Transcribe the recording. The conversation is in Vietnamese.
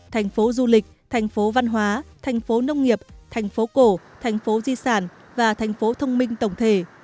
thành phố du lịch thành phố văn hóa thành phố nông nghiệp thành phố cổ thành phố di sản và thành phố thông minh tổng thể